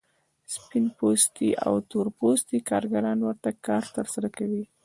سپین پوستي او تور پوستي کارګران ورته کار ترسره کوي